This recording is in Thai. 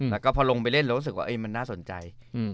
แล้วก็พอลงไปเล่นเรารู้สึกว่ามันน่าสนใจ